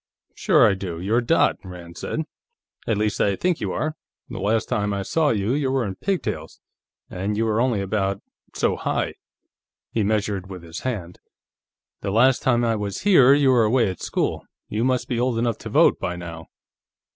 "Sure I do. You're Dot," Rand said. "At least, I think you are; the last time I saw you, you were in pigtails. And you were only about so high." He measured with his hand. "The last time I was here, you were away at school. You must be old enough to vote, by now."